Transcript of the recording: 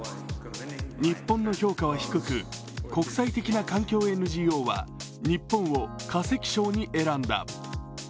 日本の評価は低く、国際的な環境ＮＧＯは日本を化石賞に選んだ。